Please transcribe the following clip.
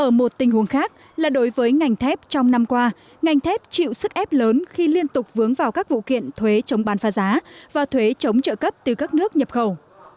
ở một tình huống khác là đối với ngành thép trong năm qua ngành thép chịu sức ép lớn khi liên tục vướng vào các vụ kiện thuế chống bán pha giá và thuế chống trợ cấp từ các nước nhập khẩu